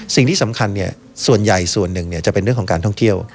สิ่งที่สำคัญส่วนใหญ่ส่วนหนึ่งจะเป็นเรื่องของการท่องเที่ยว